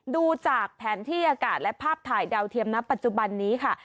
ดูจากแผนที่อากาศและภาพถ่ายดาวเทียมณปัจจุบันนี้ค่ะ